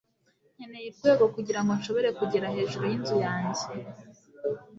Nkeneye urwego kugirango nshobore kugera hejuru yinzu yanjye